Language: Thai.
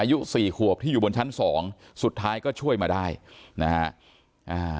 อายุสี่ขวบที่อยู่บนชั้นสองสุดท้ายก็ช่วยมาได้นะฮะอ่า